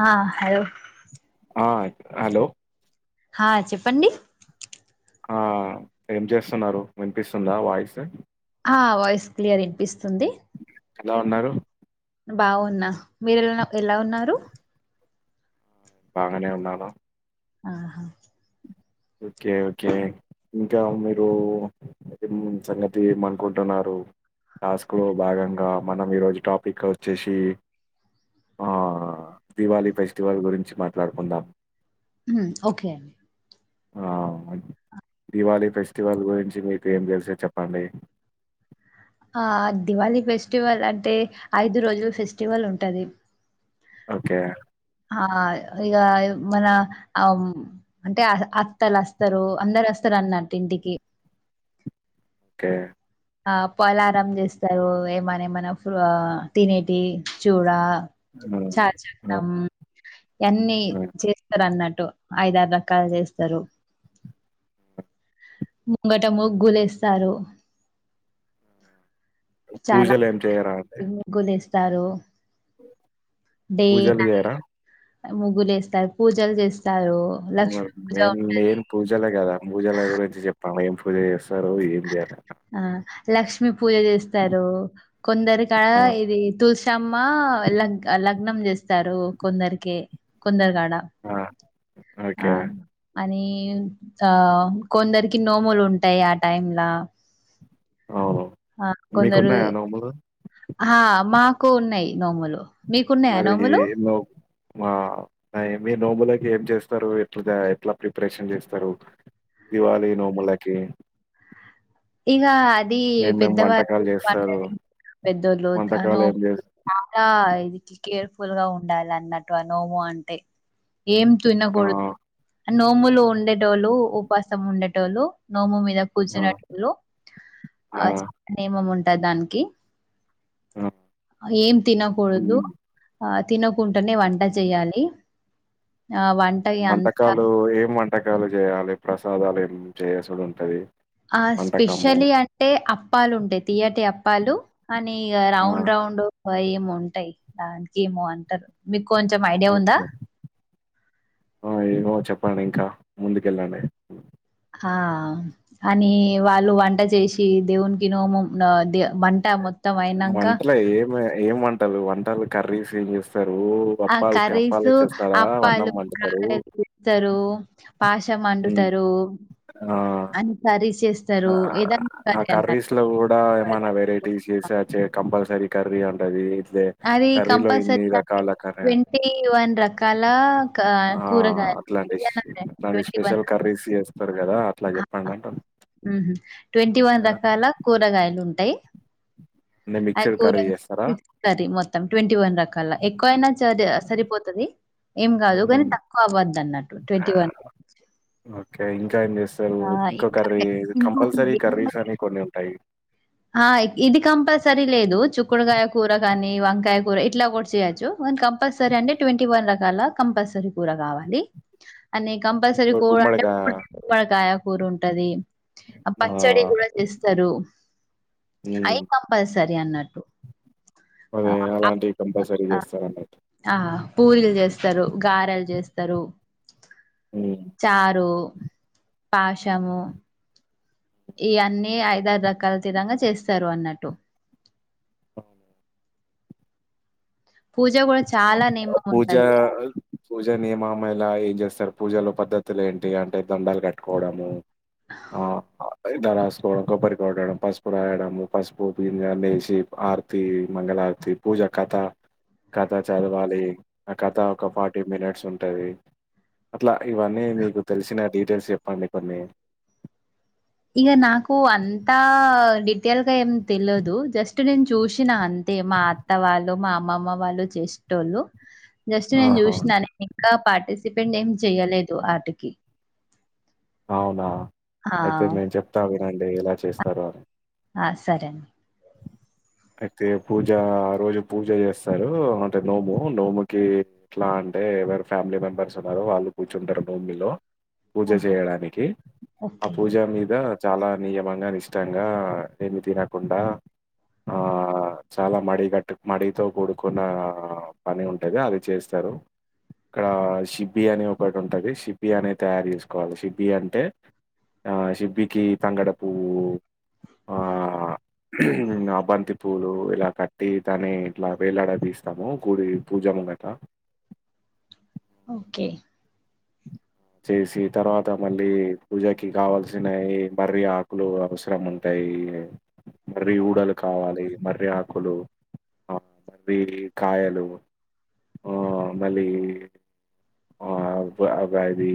ఆ హలో ఆ హలో ఆ చెప్పండి ఆ ఏం చేస్తున్నారు వినిపిస్తుందా వాయిస్ ఆ వాయిస్ క్లియర్ వినిపిస్తుంది ఎలా ఉన్నారు బాగున్నా మీరేలా ఎలా ఉన్నారు బాగానే ఉన్నాను ఆహా ఓకే ఓకే ఇంకా మీరు సంగతి ఏమనుకుంటున్నారు టాస్క్లో భాగంగా మనం ఈరోజు టాపిక్ వచ్చేసి దివాళీ ఫెస్టివల్ గురించి మాట్లాడుకుందాం ఓకే అండి ఆ దివాళీ ఫెస్టివల్ గురించి మీకు ఏం తెలుసో చెప్పండి ఆ దివాళీ ఫెస్టివల్ అంటే ఐదు రోజుల ఫెస్టివల్ ఉంటది ఓకే ఆ ఇక మన ఆ అంటే అత్తలు వస్తారు అందరు వస్తారు అన్నట్టు ఇంటికి ఓకే ఆ పొలారం చేస్తారు ఏమనా ఏమన్నా తినేటి చూడ ఆ, చా ఆ, [unintelligible] అన్ని ఆ. చేస్తారు అన్నట్ టూ ఐదారు రకాలు చేస్తారు ముంగట ముగ్గులు వేస్తారు పూజలు ఏం చెయరా అండి విస్తారు డే పూజలు నై చేయరా ముగ్గులు వేస్తారు పూజలు చేస్త మెయిన్ మెయిన్ పూజలే కదా పూజల గురించి చెప్పాం మేం పూజ చేసే ఆ లక్ష్మీ పూజ చేస్తారు కొందరి కా ఆ! ఇది తులస అమ్మ లాగ్ లాగ్ గ్నం చేస్తారు కొందరికి కొందరుగా డా ఆ! ఆ ఓకే. అని ఇంకా కొందరికి నోములు ఉంటాయి టైమ్లా అవును. ఆ కొందరుా మీకున్నాయా నోములు? హా మా కోన్నాయి నోములు మీకున్నాయా మరి నోములు ఐ మీరు నోములకి ఏం చేస్తారు ఎట్లా ఎట్లా ప్రిపరేషన్ చేస్తారు దీవాళి నోములకి ఇగా అది ఏమేం పెద్దవారు వంటకాలు పంట చేస్తారు? పెద్దోళ్ళు వంటకాలు ఏం నోము చేస్ చాలా నికి కేర్ఫుల్ గా ఉండాలి అన్నట్టు అ నోము అంటే ఏం ఆ! తినకూడదు నోములు ఉండే టోళ్లు ఉపావాసం ఉండట్ టోళ్లు నోముమితు జ ఆ! పుజనట్ లో ఆ! అజు నేమము ఉం అంటది దానికి ఆ! ఏం తినకూడదు హ్మ్. ఆ తినకుంటనే వంట జేయాలి వంటకాలు ఎమ్ వన్ వంటకాలు చేయాలి ప్రసాదాలు ఏ చేసుడు ఉంటుది ఆ స్పెషలీ అంటే అప్పాలు ఉంటాయి తియ్యటి అప్ప పాలు అని ఇగ ఆ! రౌండ్ రౌండ్ వ ఏమో ఉంటాయి దానికి ఏమో అంటారు మీత్ ఓకే ఆ ఏదో చెప్ పండి ఇంకా ముందుకెళ్లలే అ అని వాళ్లు వంటా చేసి దేవునికి నోమున్ నా దె వంట మొత్తం ను అయినంక వంటలే ఏమై ఏం వంటలు వంటలు కర్రీస్ ది న్యూస్ ఆ కర్రీస్ అన్నం అప్పాలు వండుతారు? గారెలు చే. పాశం హ్మ్. అండుతారు. ఆ! అన్ని కర్రీస్ చెస్ ఆ ఆ కర్రీస్ లో కూడా ఏమైనా అన్నట్టు. వెరైటీస్ చేస చేయక కంపల్సరీ కర్రీ ఉంటది. అది కంపల్సరీ గాని కర్రీ ట్వంటీ వన్ రకాల క ఆ! కూరగాయలు అట్లాంటి స్ [unintelligible] అట్లాంటి ట్వంటీ వన్ స్పెషల్ కర్రీస్ జేస్తారు గదా! అట్లా చెప్పండి అంటున్న ఉహు ట్వంటీ వన్ రకాల కూరగాయలు ఉంటాయి. అన్ని అ మిక్స్‌డ్ కర్రీ జేస్తారా? కూరగాయలు సరి మొత్తం ట్వంటీ వన్ రకాల ఎక్కువైనా సరే సరిపోతది. ఏం కాదు గానీ హ్మ్. తక్కువ అవ్వద్దు. అన్నట్టు టు ట్వంటీ వన్ ఓకే. ఇంకా ఏం చేస్ అసలు ఇంకో కర్రీ కంపల్సరీ ఇంకొకటి కర్రీస్ అని కొన్ని ఉంటాయి. ఆ ఇది కంపల్సరీ లేదు. చుక్కుడుకాయ కూర కాని వంకాయ కూర ఇట్లా కూడా చేయచ్చు. వన్ కంపల్సరి అంటె ట్వంటీ వన్ ర ఆలా కంపల్సరీ కూర కావాలి. అన్నీ కంపల్సరి ఇప్పుడు కూర అంటె గుమ్మడికాయ [inaudible] కాయ కూర ఉంటది. ఆ పచ్చడి ఆహ్, కూడా చేస్తారు. హ్మ్. అయి కంపల్సరీ సరే అన్నట్టు అదే అలాంటివి కంపల్సరీ [unintelligible] జేస్తారన్నట్టు. ఆ పూరిలు చేస్తారు గారెలు చేస్త త్తరు హ్మ్. చారు పాషము ఇయన్నీ ఐదారు రకాల తిరంగ చేస్తారు. అన్నట్టు అవును పూజ కూడా చాలానె పూజ పూజా నియమాము ఏలా చేస్తారు పూజలొ పద్ధతులు ఏంటి అంటె దండాలు కట్టుకోవడము. ఆ అ ఇలా రాసుకోవడం కొబ్బరి కొట్టడం పసుపు రాయడము పసుపు పిండి అన్ని జెసి ఆర్తి మంగళారతి పూజ కథ కథ చదవాలి ఆ కథ ఒక ఫార్టీ మినిట్స్ ఉంటది అట్లా ఇవన్నీ మీకు తెలిసిన డీటెయిల్స్ చెప్పండి కొన్ని ఇక నాకు అంతా డీటెల్గా ఏం తెలియదు జస్ట్ నేను చూసిన అంతె మా అత్త వాళ్ళు మా అమ్మమ్మ వాళ్ళు చేసేటోళ్లు జస్ట్ నేను ఆహా! చూసినాను ఇంకా పార్టిసిపేంట్ ఏం చెయ్యలేదు ఓఆటికి అవునా అయితె నేన్ చెప్తాలె అంటె ఎలా చేస్తారు అని ఆ సరే అండి అయితె పూజ ఆ రోజు పూజ చేస్తారు అంటె నోము నోముకి ఎట్లా అంటె ఎవరు ఫ్యామిలి మెంబర్స్ ఉన్నారో వాళ్ళు కూర్చుంటారు నోమిలో పూజ ఆహా చేయడానికి ఆ ఓకే పూజ మీద చాలా నియమంగా నిష్టంగా ఏమి తినకుండా ఆ చాలా మడి గట్టు మడితో కూడుకున్న పని ఉంటది అది చేస్తారు ఇక్కడ షిబ్బి అని ఒకటి ఉంటది షిబ్బి అనే తయారు చేసుకోవాలి షిబ్బి అంటే ఆ షిబ్బికి తంగడ పువ్వు ఆ బంతి పూలు ఇలా కట్టి తానే ఇట్లా వేలాడ తీస్తాము గుడి పూజ ముంగట ఓకె చేసి తర్వాత మళ్ళీ పూజకి కావాల్సినవి మర్రి ఆకులు అవసరం ఉంటయీ మర్రి ఊడలు కావాలి ఇవి మర్రి ఆకులు ఆ మర్రి కాయలు ఆ మళ్ళీ ఆ పది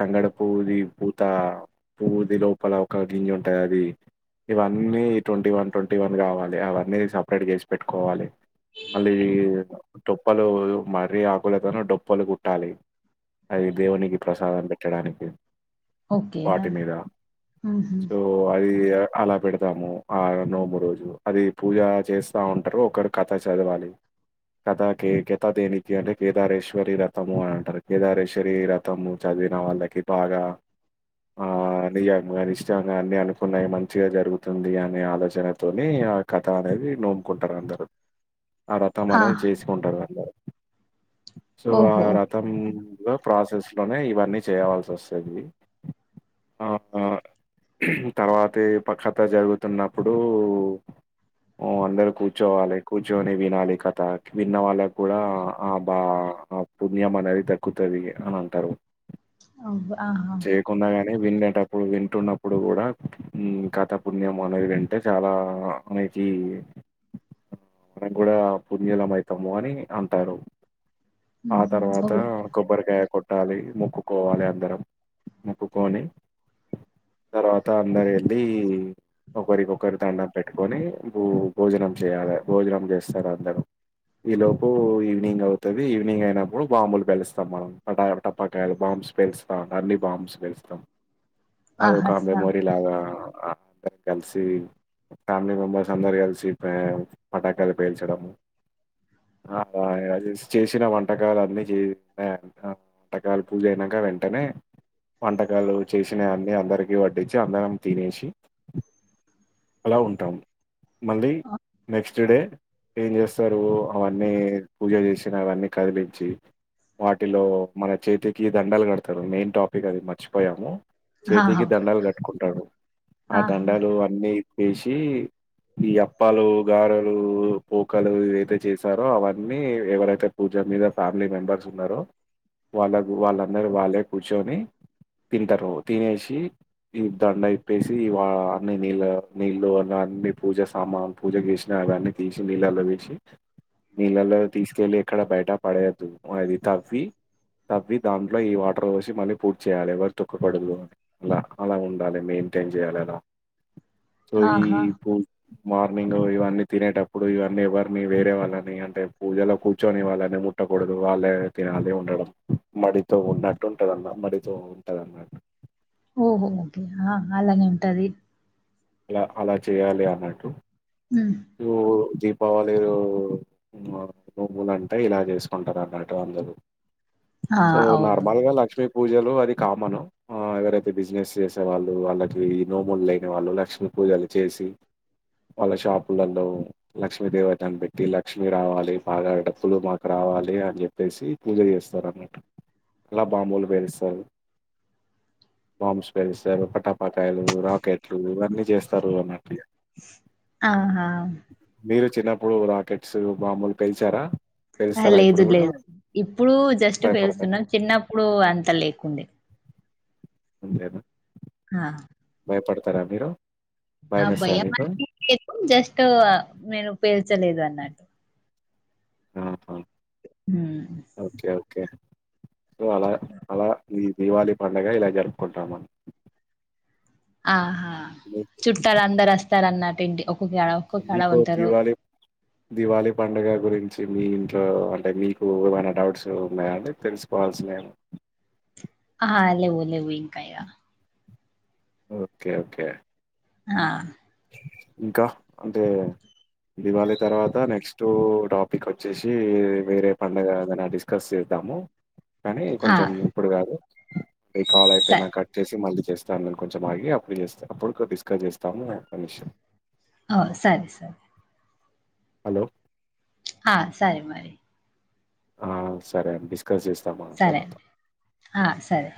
తంగడ పూవ్వు ది పూత పువ్వు ది లోపల ఒక గింజ ఉంటది అది ఇవన్నీ ట్వంటీ వన్ ట్వంటీ వన్ కావాలి అవన్నీ సపరేట్ చేసి పెట్టుకోవాలె మళ్ళీ డొప్పలు మర్రి ఆకుల తోనే డోప్పలు గుట్ టాలే అది దేవునికి ప్రసాదం పెట్టడానికి ఓకే ఆ వాటి మీద ఊహు సో అది అలా పెడతాము ఆ నోము రోజు అది పూజ చేస్తా ఉంటరు ఒకరు కథ చదవాలి కథకి కెథ దేనికి అంటే కేదారేశ్వరి రథము అని అంటారు కేదారేశ్వరి రథము చదివిన వాళ్ళకి బాగా ఆ నియముగా నిష్టంగా అన్ని అనుకున్నాయి మంచిగా జరుగుతుంది అనే ఆలోచనతోనే ఆ కథ అనేది నోముకుంటరు అందరూ ఆ రథం అనేది చేసుకుంటరు అందరు సో ఆ ఓహో ఓకే రథం లో ప్రాసెస్ లోనే ఇవన్నీ చేయవల్సి వస్తది ఆ తర్వాతె పక్ష థ జరుగుతున్నప్పుడు అందరు కూర్చోవాలె కూర్చొని వినాలి కథ విన్న వాళ్ళక్కూడా ఆ బా ఆ పుణ్యం అనేది ద కుతది అని అంటరు [inaudible] ఆహా వినేటప్పుడు వింటున్నప్పుడు గూడా కథ పుణ్యం అనేది వింటే చాలా మీకి మనం కూడ పుణ్యులం అయితాము అని అంటారు ఆ ఊహు తర్వాత ఓహో యే కొట్టాలి మొక్కుకోవాలి అందరం మొక్కుకొని తర్వాత అందరు వెళ్ళి ఒకరి కొకరి దండం పెట్టుకొని భూ భోజనం చేయాలి భోజనం జెస్తరు అందరు ఈ లోపు ఈవినింగ్ అవుతది ఈవినింగ్ అయినప్పుడు బాంబులు పెలుస్త మనం పట టపకాయలు బాంబ్స్ పేలుస్తాం ధర్ని బాంబ్స్ పేలుస్తం ఆహా అదొక సా మెమోరీ లాగా అందరు కలిసి ఫ్యామిలీ మెంబర్స్ అందరు కలిసి పటాకలు పేల్చడము అలా చేసిన వంటకాలు అన్నీ చే వంటకాలు పూజ అయినంక వెంటనే వంటకాలు చేసినయి అన్నీ అందరికీ వడ్డించి అందరం తినేసి అలా ఉంటాము మళ్ళీ నెక్స్ట్ డే ఏం జేస్తారు అవన్నీ పూజ జేసినా అవన్నీ కదిలించి వాటిలో మన చేతికి దండలు కడతరు మెయిన్ టాపిక్ అది మర్చిపోయాము ఆహా చేతికి దండలు కట్టుకుంటడు ఆ ఆహా దండలు అన్ని వేసి ఈ అప్పాలు గారెలు పోకలు ఏదైతే చేసారో అవన్నీ ఎవరైతే పూజ మీద ఫ్యామిలీ మెంబర్స్ మెంబర్స్ ఉన్నరో వాళ్ళకు వాళ్ళందరు వాళ్ళే కూర్చొని తింటరు. తినేసి ఈ దండ ఇప్పేసి వా అన్ని నీళ్ళ నీళ్ళు అన్ని పూజ సామాన్ పూజ చేసిన అవన్నీ తీసి నీళ్ళల్లో వేసి నీళ్ళల్లో తీసుకెళ్ళి ఎక్కడ బయట పడేయద్దు అది తవ్వి తవ్వి దాంట్లో ఈ వాటర్ పోసి మళ్ళీ పూడ్చేయాలె ఎవరు తొక్కకూడదు లా అలా ఉండాలే మెయింటేన్ జేయాలి అలా తో ఈ ఆహా మార్నింగ్ ఇవన్నీ తినేటప్పుడు ఇవన్నీ ఎవరిని వేరే వాళ్ళని అంటే పూజలో కూర్చొని వాళ్ళని ముట్టకూడదు వాళ్ళే తినాలి ఉండడం మడితో ఉన్నట్టు ఉంటదన్న మడితో ఉంటదన్నట్టు ఓహో ఓకే ఆ అలాగే ఉంటది లా అలా చేయాలి అన్నట్టు హ్మ్. ఓ జిప్ పరవాలేదు భూములు అంటే ఇలా చేసుకుంటారు అన్నట్టు అందరూ ఆ సో అవును నార్మల్ గా లక్ష్మీ పూజలు అది కామన్ ఎవరైతే బిజినెస్ చేసే వాళ్ళు వాళ్ళకి నోములు లేని వాళ్ళు లక్ష్మీ పూజలు చేసి వాళ్ళ షాప్ షాప్ లల్లో లక్ష్మీ దేవతని పెట్టి లక్ష్మి రావాలి బాగా డబ్బులు మాకు రావాలి అని చెప్పేసి పూజ చేస్తారు అన్నట్టు అలా బాంబులు పేలుస్తారు బాంబ్స్ పేలుస్తారు ప టపాకాయలు రాకెట్లు ఇవన్నీ చేస్తారు అన్నట్టు అ మీరు చిన్నప్పుడు రాకెట్స్ మామూలు పేల్చారా ఆ పేలుస్తారా లేదు ఇప్పుడు కూడా లేదు ఇప్పుడు జస్ట్ భయపడతారా పేలుస్తున్నాం చిన్నప్పుడు అంత లేకుండే అంతేనా ఆ భయపడతారా మీరు అబ్ భయమేస్తదా భయం మీకు జస్ట్ నేను పేల్చలేదు అని అది హ హ ఓకే సొ అలా అలా ఈ దీవాళి పండుగ ఇలా జరుపుకుంటాం ఆహా మీకు చుట్టాలందరస్తారు అన్న పెడి ే మీకు దివాళి దివాళి పండుగ గురించి మీ ఇంట్లో అంటే మీకు ఏమైనా డౌట్స్ ఉన్నాయా అండి తెలుసుకోవాల్సిినవి ఏమైనా ఆ లేవు లేవు ఇంకా ఓకే ఓకే ఆ ఇంకా అంటే దివాళి తర్వాత నెక్స్ట్ టాపిక్ వచ్చేసి వేరే పడుగ ఏదైనా డిస్కస్ చేద్దాము కానీ ఆ! కొంచెం ఇప్పుడు కాదు ఈ కాల్ సరే. అయ్యిపోయినక కట్ చేసి మళ్ళీ చేస్తాను నేను కొంచెం ఆగి అప్పుడు చేస్తా అప్పుడు డిస్కస్ చేస్తాను [unintelligible] ఓ సరే సరే హలో హా సరే మరి ఆ సరే అండి చేస్తాం సరే తర్వాత అండి. ఆ! సరే.